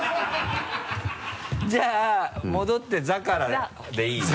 じゃあ戻って「ざ」からでいい？